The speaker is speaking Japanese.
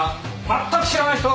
全く知らない人！